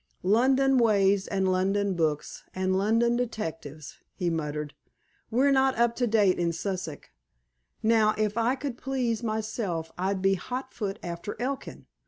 "London ways, and London books, and London detectives!" he muttered. "We're not up to date in Sussex. Now, if I could please myself, I'd be hot foot after Elkin.